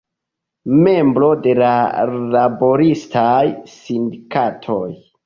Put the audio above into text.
Membro de laboristaj sindikatoj.